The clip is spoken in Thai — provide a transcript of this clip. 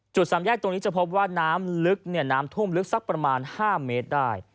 สามแยกตรงนี้จะพบว่าน้ำลึกน้ำท่วมลึกสักประมาณ๕เมตรได้